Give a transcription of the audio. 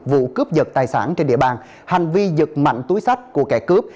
vụ cướp giật tài sản trên địa bàn hành vi giật mạnh túi sách của kẻ cướp